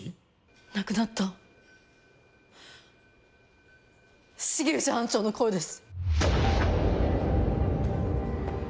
亡くなった重藤班長の声です。